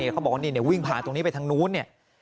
เขาบอกว่าเดี๋ยววิ่งผ่านตรงนี้ไปทางนู้น